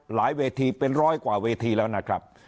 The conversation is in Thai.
เวทีเป็นร้อยกว่าเวทีแล้วนะครับ